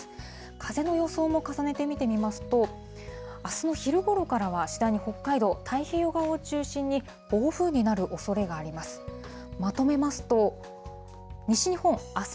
風の予想も重ねて見てみますと、あすの昼ごろからは、次第に北海道、太平洋側を中心に暴風になるおそれがあります。